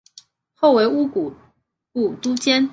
后为乌古部都监。